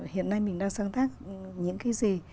hiện nay mình đang sáng tác những cái gì